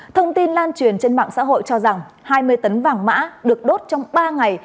thông tin lan truyền trên mạng xã hội cho rằng hai mươi tấn vàng mã được đốt trong ba ngày